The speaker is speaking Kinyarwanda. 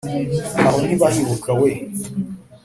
aho ntibahibuka we!